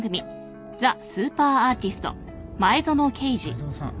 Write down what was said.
前園さん